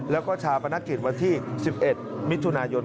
แล้วก็ชาปนกิจวันที่๑๑มิถุนายน